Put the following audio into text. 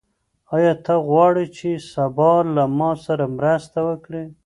آیا ته غواړې چې سبا له ما سره مرسته وکړې؟